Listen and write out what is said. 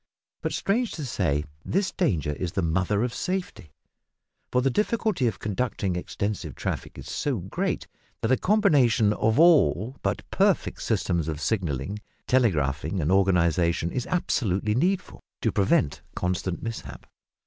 But, strange to say, this danger is the mother of safety, for the difficulty of conducting extensive traffic is so great, that a combination of all but perfect systems of signalling, telegraphing, and organisation is absolutely needful to prevent constant mishap.